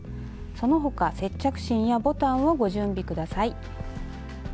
その他接着芯やボタンをご準備下さい。